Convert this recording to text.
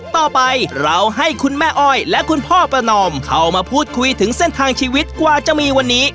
ต่อไปเราให้คุณแม่อ้อยและคุณพ่อประนอมเข้ามาพูดคุยถึงเส้นทางชีวิตกว่าจะมีวันนี้